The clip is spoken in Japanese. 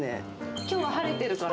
きょうは晴れてるから。